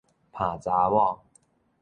奅查某